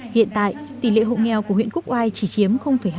hiện tại tỷ lệ hộ nghèo của huyện quốc oai chỉ chiếm hai